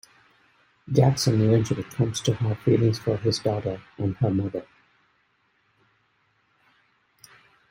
Jackson eventually comes to have feelings for his daughter and her mother.